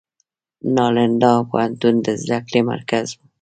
نالندا پوهنتون د زده کړې مرکز و.